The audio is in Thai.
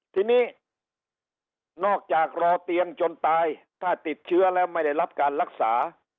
ทีนี้นอกจากรอเตียงจนตายถ้าติดเชื้อแล้วไม่ได้รับการรักษา